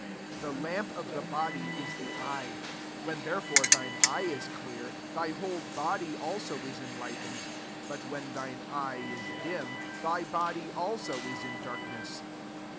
34 The lamp of the body is the eye; when [therefore] thine eye is clear, thy whole body al so is enlightened; but when tMne eye is dim, thy body also is in darkness.